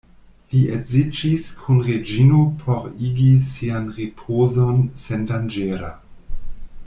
Li edziĝis kun Reĝino por igi sian ripozon sendanĝera.